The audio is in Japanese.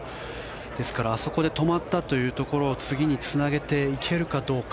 ですからあそこで止まったというところを次につなげていけるかどうか。